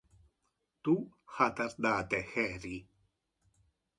Tu ha tardate heri.